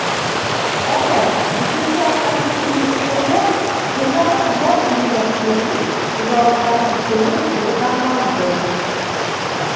Әммә, икенсе яҡтан фекер йөрөткәндә, донъяның һәр илендә тиерлек хужалыҡтарҙың үҫеүе йылдамланды.